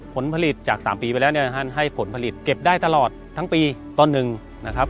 ผลผลิตจาก๓ปีไปแล้วเนี่ยนะฮะให้ผลผลิตเก็บได้ตลอดทั้งปีต้นหนึ่งนะครับ